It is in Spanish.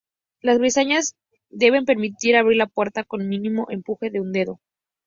Las bisagras deben permitir abrir la puerta con mínimo empuje de un dedo.